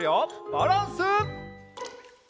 バランス。